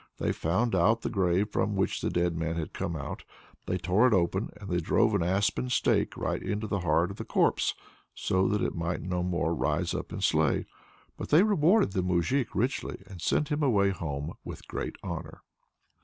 They found out the grave from which the dead man had come out, they tore it open, and they drove an aspen stake right into the heart of the corpse, so that it might no more rise up and slay. But they rewarded the moujik richly, and sent him away home with great honor.